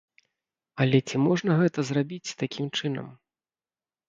Але ці можна гэта зрабіць такім чынам?